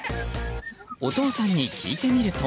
お父さんに聞いてみると。